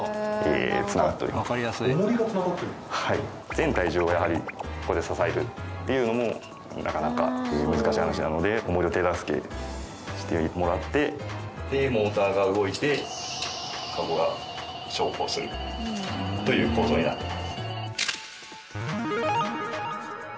全体重をやはりここで支えるっていうのもなかなか難しい話なのでおもりを手助けしてもらってモーターが動いてカゴが昇降するという構造になってます。